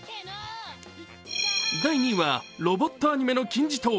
第２位はロボットアニメの金字塔